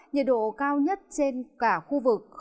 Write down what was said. nhiệt độ cao nhất trên cả khu vực